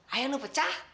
ayah lo pecah